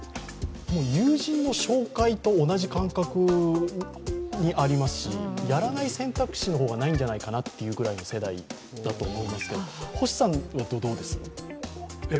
友人の紹介と同じ感覚にありますし、やらない選択肢の方がないんじゃないかなというぐらいの世代だと思いますけど星さんはどうです？